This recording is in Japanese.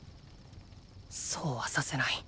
そうはさせない。